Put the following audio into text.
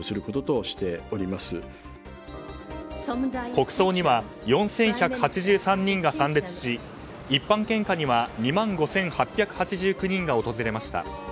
国葬には、４１８３人が参列し一般献花には２万５８８９人が訪れました。